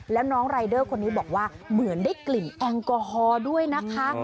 แล้วน้องรายเดอร์คนนี้บอกว่าเหมือนได้กลิ่นแอลกอฮอล์ด้วยนะคะ